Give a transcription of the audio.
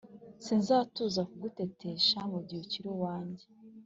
Sinzatuza kugutetesha mu gihe ukiri uwanjye